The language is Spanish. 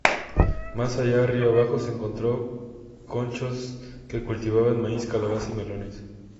Más allá río abajo, se encontró conchos que cultivaban maíz, calabaza y melones.